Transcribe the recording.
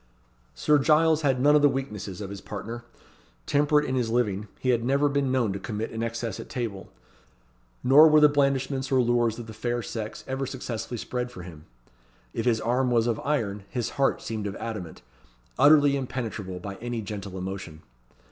Sir Giles had none of the weaknesses of his partner. Temperate in his living, he had never been known to commit an excess at table; nor were the blandishments or lures of the fair sex ever successfully spread for him. If his arm was of iron, his heart seemed of adamant, utterly impenetrable by any gentle emotion.